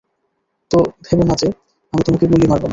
তো, ভেবো না যে, আমি তোমাকে গুলি মারবো না।